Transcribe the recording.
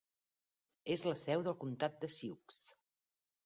És la seu del comtat de Sioux.